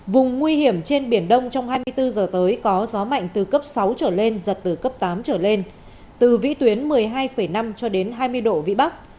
vùng nguy hiểm trên biển đông trong hai mươi bốn giờ tới có gió mạnh từ cấp sáu trở lên giật từ cấp tám trở lên từ vĩ tuyến một mươi hai năm cho đến hai mươi độ vĩ bắc